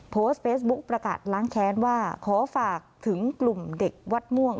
โพสต์เฟซบุ๊คประกาศล้างแค้นว่าขอฝากถึงกลุ่มเด็กวัดม่วง